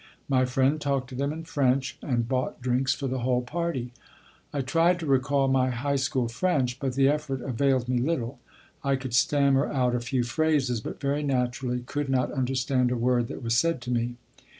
My friend talked to them in French and bought drinks for the whole party. I tried to recall my high school French, but the effort availed me little. I could stammer out a few phrases, but, very naturally, could not understand a word that was said to me.